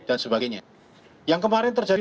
dan sebagainya yang kemarin terjadi